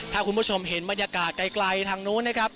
ถ้าคุณผู้ชมเห็นบรรยากาศไกลทางนู้นนะครับ